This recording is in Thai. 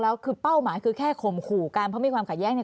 แล้วคือเป้าหมายคือแค่ข่มขู่กันเพราะมีความขัดแย้งเนี่ย